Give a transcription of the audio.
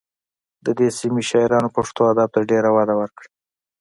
د دې سیمې شاعرانو پښتو ادب ته ډېره وده ورکړه